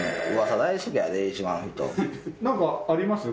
何かあります？